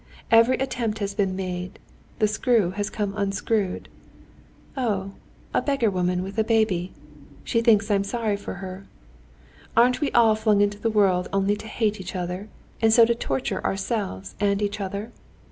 Every attempt has been made, the screw has come unscrewed. Oh, a beggar woman with a baby. She thinks I'm sorry for her. Aren't we all flung into the world only to hate each other, and so to torture ourselves and each other?